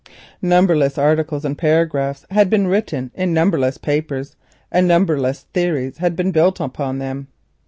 Numberless articles and paragraphs had been written in numberless papers, and numberless theories had been built upon them.